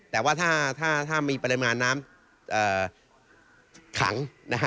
แต่ว่าถ้ามีปริมาณน้ำขัง